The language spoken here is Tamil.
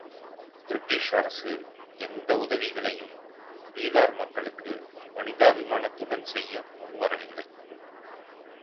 பிரிட்டிஷ் அரசு எந்த உதவிகளையும் பீகார் மக்களுக்கு மனிதாபிமானத்துடன் செய்ய முன் வரவில்லை.